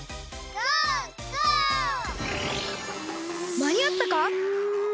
まにあったか！？